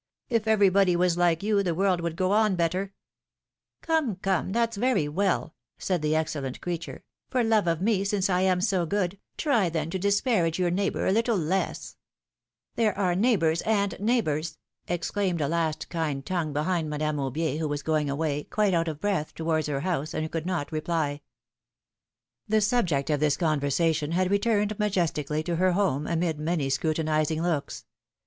If everybody was like you, the world would go on better !" ^^Come! come! That's very well," said the excellent creature ; for love of me, since I am so good, try then to disparage your neighbor a little less I" There are neighbors, and neighbors !" exclaimed a last kind tongue behind Madame Aubier, who was going away, quite out of breath, towards her house, and who could not reply. PHILOMi:XE's MARRIAGES. 37 The subject of this conversation had returned majes tically to her home amid many scrutinizing looks.